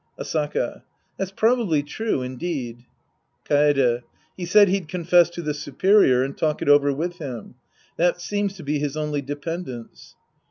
Asaka. That's probably true, indeed. Kaede. He said he'd confess to the superior and talk it over with him. That seems to be his only dependence.